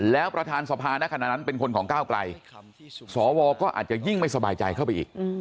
แล้วประธานสภาในขณะนั้นเป็นคนของก้าวไกลสวก็อาจจะยิ่งไม่สบายใจเข้าไปอีก